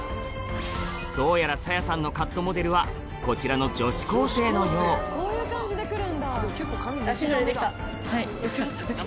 どうやら紗弥さんのカットモデルはこちらの女子高生のよううち。